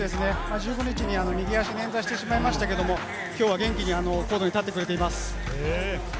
１５日に右足を捻挫しましたが、きょうは元気にコートに立ってくれています。